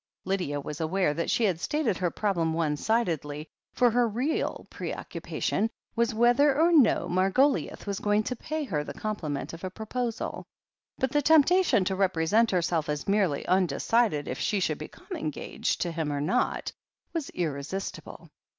" Lydia was aware that she had stated her problem one sidedly, for her real preoccupation was whether or i68 THE HEEL OF ACHILLES no Margoliouth was going to pay her the complimait of a proposal. But the temptation to represent herself as merely undecided if she should become engaged to him or not, was irresistible.